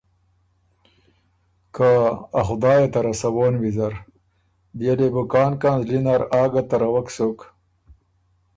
که ”ا خدایه ته رسَوون ویزر“ بيې لې بُو کان کان زلی نر آ ګه تَرَوَک سُک۔